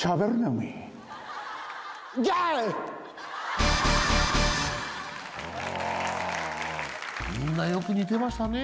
あみんなよく似てましたね。